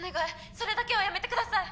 それだけはやめてください！